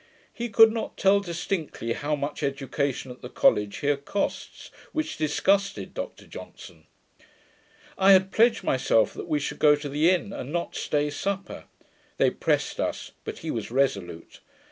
He could not tell distinctly how much education at the college here costs, which disgusted Dr Johnson. I had pledged myself that we should go to the inn, and not stay supper. They pressed us, but he was resolute.